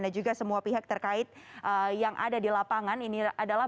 dan juga semua pihak terkait yang ada di lapangan ini adalah